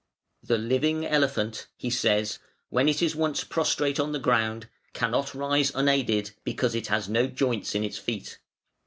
"The living elephant" he says, "when it is once prostrate on the ground, cannot rise unaided, because it has no joints in its feet.